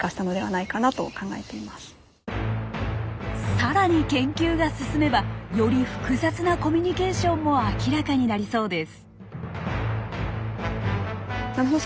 更に研究が進めばより複雑なコミュニケーションも明らかになりそうです。